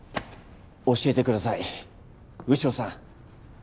教えてください牛尾さん。